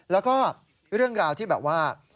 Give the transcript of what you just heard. แล้วก็เรื่องราวที่แบบว่า